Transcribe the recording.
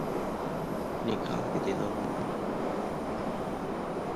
ނިކާލްގެ ދެލޯ ބޮޑުވި